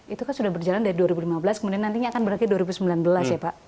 itu kan sudah berjalan dari dua ribu lima belas kemudian nantinya akan berakhir dua ribu sembilan belas ya pak